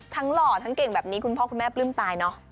หล่อทั้งเก่งแบบนี้คุณพ่อคุณแม่ปลื้มตายเนอะ